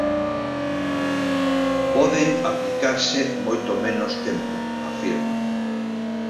Poden aplicarse moito menos tempo, afirma.